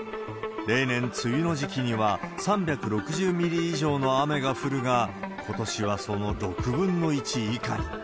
例年、梅雨の時期には３６０ミリ以上の雨が降るが、ことしはその６分の１以下に。